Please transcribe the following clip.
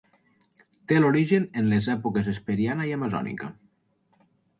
Té l'origen en les èpoques hesperiana i amazònica.